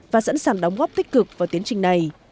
và sẵn sàng đóng góp tích cực vào tiến trình này